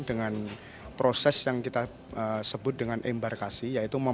dengan proses yang kita sebut dengan embarkasi